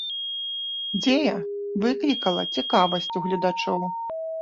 Дзея выклікала цікавасць у гледачоў.